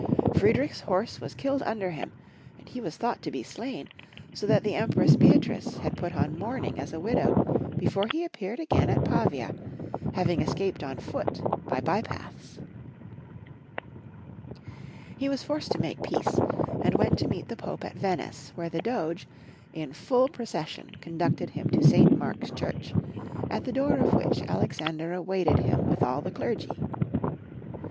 Friedrich's horse was killed under him, and he was thought to be slain, so that the Empress Beatrice had put on mourning as a widow, before he appeared again at Pavia, having escaped on foot by by paths. He was forced to make peace, and went to meet the Pope at Venice, where the Doge, in full pro cession conducted him to St. Mark's Church, at the door of which Alexander awaited him with all the clergy.